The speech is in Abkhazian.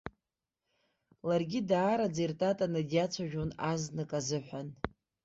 Ларгьы даараӡа иртатаны диацәажәон азнык азыҳәан.